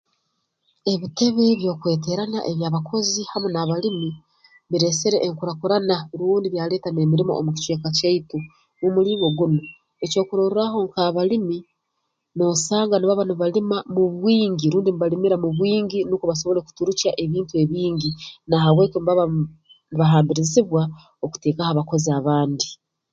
Ebitebe by'okweteerana eby'abakozi hamu n'abalimi bireesere enkurakurana rundi byaleeta n'emirimo omu kicweka kyaitu mu mulingo gunu ekyokurorraaho nk'abalimi noosanga nibaba nibalima mu bwingi rundi nibalimira mu bwingi nukwo basobole kuturukya ebintu ebingi na habw'eki nibaba nibahambirizibwa okuteekaho abakozi abandi